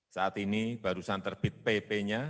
saat ini barusan terbit pp nya